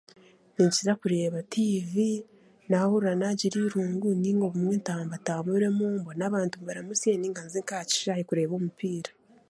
Ninkira kureeba tiivi, naahurira naagira eirungu, nainga ntaambataamburemu, naabugana abantu mbaramusye, nainga nze nk'aha kishaaha kureeba omupiira.